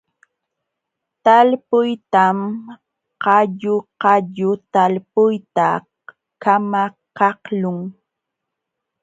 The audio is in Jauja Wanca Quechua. Talpuytam qalluqallu talpuyta kamakaqlun.